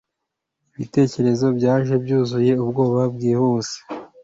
Ibitekerezo byaje byuzuye ubwoba bwihuse